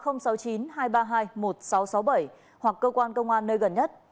hoặc cơ quan công an nơi gần nhất